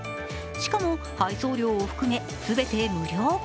しかも配送料を含め、全て無料。